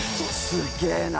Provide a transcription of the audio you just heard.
「すげえな！」